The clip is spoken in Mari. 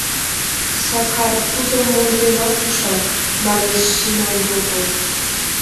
Сакар, тудым монденат, ужат, — манеш Шиман Йогор.